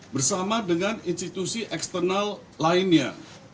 bersama dengan institusi eksternal lainnya